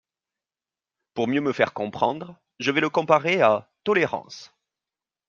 Pour mieux me faire comprendre, je vais le comparer à 'tolérance'.